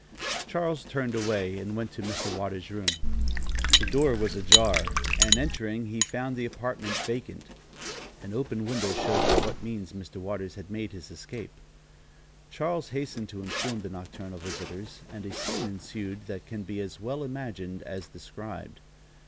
Charles turned away and went to Mr. Waters' room. The door was ajar, and, entering, he found the apartment vacant. An open window showed by what means Mr. Waters had made his escape. Charles hastened to inform the nocturnal visitors, and a scene ensued that can be as well imagined as described.